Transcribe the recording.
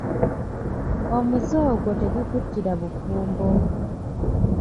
Omuze ogwo tegukuttira bufumbo.